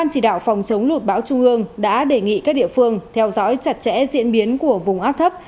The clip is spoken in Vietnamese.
chống lụt bão trung hương đã đề nghị các địa phương theo dõi chặt chẽ diễn biến của vùng áp thấp